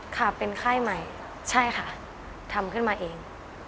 ค่ะเป็นไข้ใหม่ใช่ค่ะทำขึ้นมาเอง